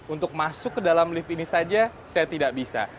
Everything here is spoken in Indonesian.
untuk masuk ke dalam lift ini saja saya tidak bisa